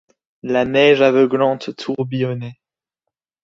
La neige aveuglante tourbillonnait.